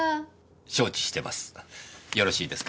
承知してます。